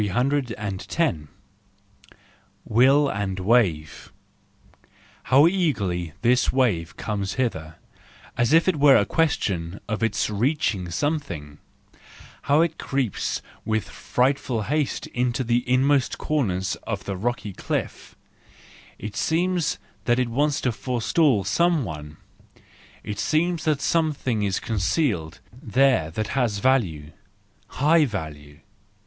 310. Will and Wave ,—How eagerly this wave comes hither, as if it were a question of its reaching some¬ thing ! How it creeps with frightful haste into the innermost corners of the rocky cliff! It seems that it wants to forestall some one ; it seems that some¬ thing is concealed there that has value, high value.